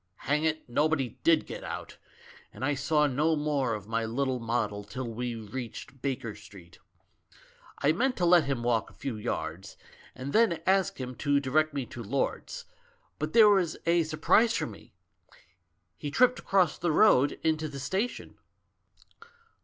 Hang it, nobody did get out; and I saw no more of my little model till we reached Baker Street. I meant to let him walk a few yards, and then ask him to direct me to Lord's, but there was a sur prise for me ; he tripped across the road into the station.